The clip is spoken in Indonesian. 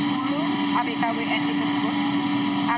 selamat di jakarta selanjutnya